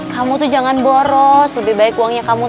kamu tuh jangan boros lebih baik uangnya kamu